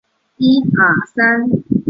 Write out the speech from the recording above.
二万学派重要传承人。